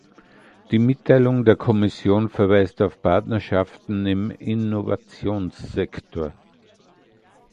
Die Mitteilung der Kommission verweist auf Partnerschaften im Innovationssektor.